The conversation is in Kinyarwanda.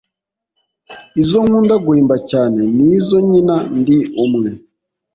izo nkunda guhimba cyane ni izo nkina ndi umwe.